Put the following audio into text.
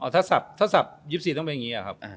ถ้าสับ๒๔ต้องเป็นอย่างนี้ครับ